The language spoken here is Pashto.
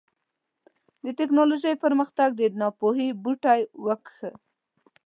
د ټيکنالوژۍ پرمختګ د ناپوهۍ بوټی وکېښ.